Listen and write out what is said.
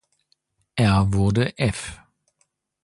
Er wurde f